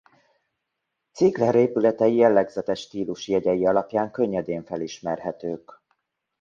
Czigler épületei jellegzetes stílusjegyei alapján könnyedén felismerhetők.